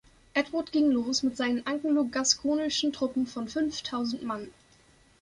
Edward ging los mit seinen Anglo-Gaskognischen Truppen von fünftausend Mann.